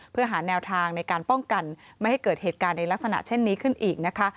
เพื่อหาแนวทางในการป้องกันไม่ให้เกิดเหตุการณ์ในลักษณะเช่นนี้ขึ้นอีกนะคะ